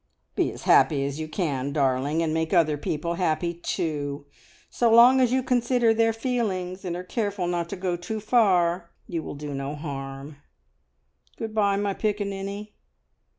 "Be as happy as you can, darling, and make other people happy too. So long as you consider their feelings, and are careful not to go too far, you will do no harm. Good bye, my piccaninny!